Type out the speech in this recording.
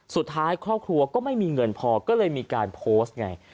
สุดท้ายครอบครัวก็ไม่มีเงินพอก็เลยมีการโพสต์ไง